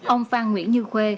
ông phan nguyễn như khuê